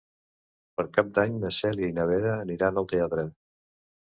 Per Cap d'Any na Cèlia i na Vera aniran al teatre.